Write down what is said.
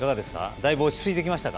だいぶ落ち着いてきましたか？